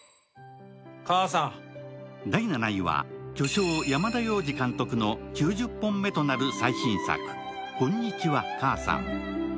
巨匠・山田洋次監督の９０本目となる最新作「こんにちは、母さん」。